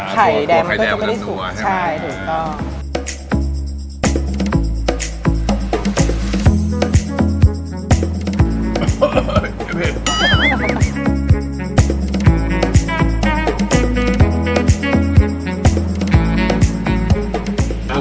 ไข่แดงมันก็จะได้สุกใช่ถูกต้องคือไข่แดงมันจะนัวขึ้นใช่